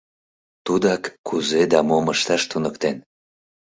Тудак кузе да мом ышташ туныктен.